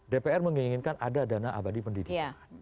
dpr menginginkan ada dana abadi pendidikan